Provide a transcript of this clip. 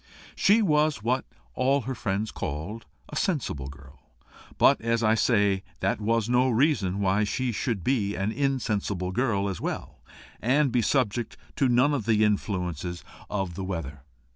She was what all her friends called a sensible girl; but, as I say, that was no reason why she should be an insensible girl as well, and be subject to none of the influences of the weather.